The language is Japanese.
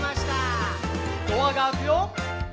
「ドアが開くよ」